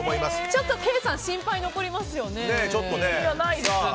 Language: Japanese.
ちょっとケイさん心配残りますね。